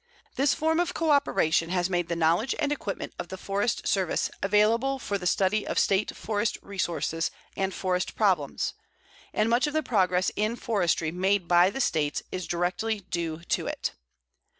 This form of coöperation has made the knowledge and equipment of the Forest Service available for the study of State forest resources and forest problems, and much of the progress in forestry made by the States is directly due to it.